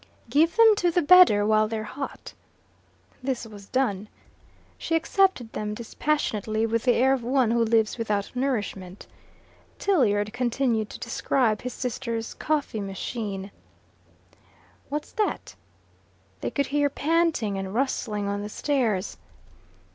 "Give them to the bedder while they're hot." This was done. She accepted them dispassionately, with the air of one who lives without nourishment. Tilliard continued to describe his sister's coffee machine. "What's that?" They could hear panting and rustling on the stairs.